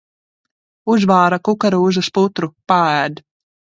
Uzvāra kukarūzas putru, paēd.